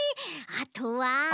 あとは？